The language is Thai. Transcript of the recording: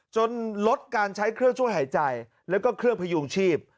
ลดการใช้เครื่องช่วยหายใจแล้วก็เครื่องพยุงชีพ